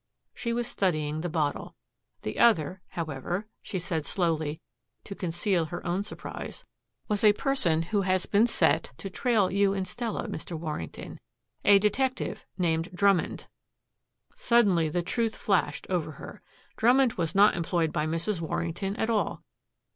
She was studying the bottle. "The other, however," she said slowly to conceal her own surprise, "was a person who has been set to trail you and Stella, Mr. Warrington, a detective named Drummond!" Suddenly the truth flashed over her. Drummond was not employed by Mrs. Warrington at all.